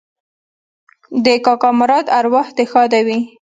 د کاکا مراد اوراح دې ښاده وي